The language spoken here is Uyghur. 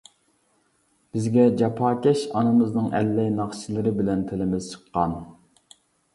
بىزگە جاپاكەش ئانىمىزنىڭ ئەللەي-ناخشىلىرى بىلەن تىلىمىز چىققان.